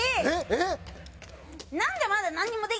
えっ？